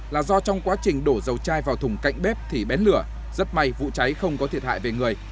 là do trong quá trình đổ dầu chai vào thùng cạnh bếp thì bén lửa rất may vụ cháy không có thiệt hại về người